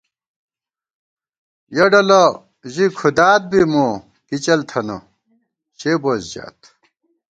یَہ ڈلہ ژی کُھدات بی مو کی چل تھنہ شے بوئیس ژات